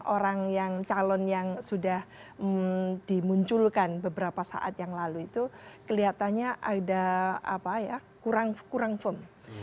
orang yang calon yang sudah dimunculkan beberapa saat yang lalu itu kelihatannya ada kurang firm